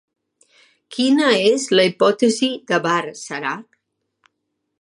Quina és la hipòtesi de Barr-Sharrar?